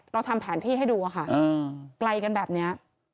เราทำแผนที่ให้ดูค่ะไกลกันแบบนี้